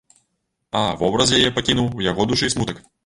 А вобраз яе пакінуў у яго душы смутак.